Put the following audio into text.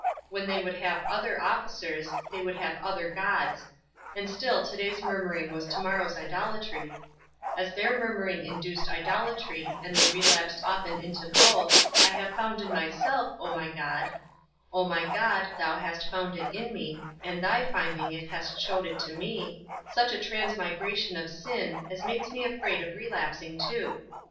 When they would have other officers, they would have other gods; and still to day's murmuring was to morrow's idolatry; as their murmuring induced idolatry, and they relapsed often into both, I have found in myself, O my God (O my God, thou hast found it in me, and thy finding it hast showed it to me) such a transmigration of sin, as makes me afraid of relapsing too.